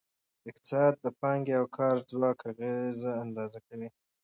اقتصاد د پانګې او کار ځواک اغیزه اندازه کوي.